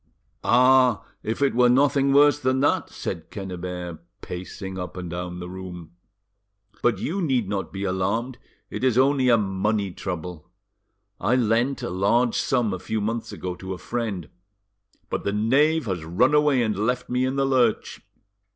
"Ah! if it were nothing worse than that!" said Quennebert, pacing up and down the room: "but you need not be alarmed; it is only a money trouble. I lent a large sum, a few months ago, to a friend, but the knave has run away and left me in the lurch.